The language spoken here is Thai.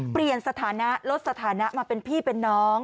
เปลี่ยนสถานะลดสถานะมาเป็นพี่เป็นน้อง